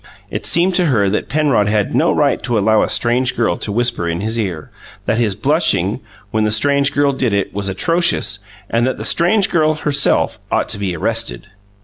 It seemed to her that Penrod had no right to allow a strange girl to whisper in his ear; that his blushing, when the strange girl did it, was atrocious; and that the strange girl, herself, ought to be arrested.